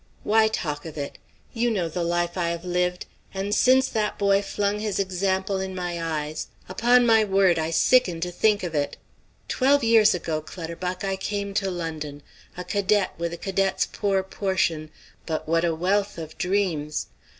Why talk of it? You know the life I have lived, and since that boy flung his example in my eyes, upon my word I sicken to think of it. Twelve years ago, Clutterbuck, I came to London, a cadet with a cadet's poor portion, but what a wealth of dreams!